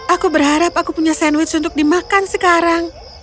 aku berharap aku punya sandwich untuk dimakan sekarang